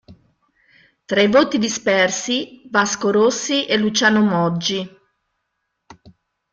Tra i voti dispersi: Vasco Rossi e Luciano Moggi.